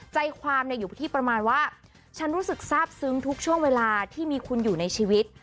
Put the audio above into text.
ใจความอยู่ที่ประมาณว่าฉันรู้สึกทราบซึ้งทุกช่วงเวลาที่มีคุณอยู่ในชีวิต